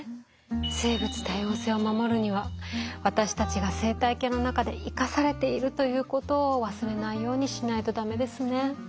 生物多様性を守るには私たちが生態系の中で生かされているということを忘れないようにしないと駄目ですね。